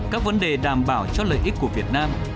các vấn đề đảm bảo cho lợi ích của việt nam